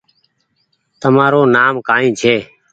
تمآرو نآم ڪآئي ڇي ۔